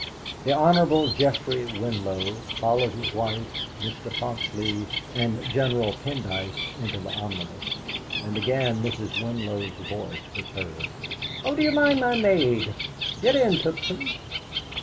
The Hon. Geoffrey Winlow followed his wife, Mr. Foxleigh, and General Pendyce into the omnibus, and again Mrs. Winlow's voice was heard: "Oh, do you mind my maid? Get in, Tookson!"